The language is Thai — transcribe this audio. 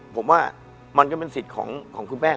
ผมว่ามันก็เป็นสิทธิ์ของคุณแป้ง